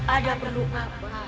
ada perlu apa